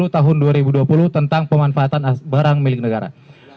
tahun dua ribu dua puluh tentang pemanfaatan barang milik negara